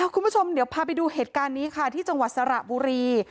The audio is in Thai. คุณผู้ชมเดี๋ยวพาไปดูเหตุการณ์นี้ค่ะที่จังหวัดสระบุรี